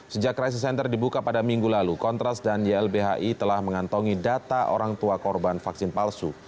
sejak crisis center dibuka pada minggu lalu kontras dan ylbhi telah mengantongi data orang tua korban vaksin palsu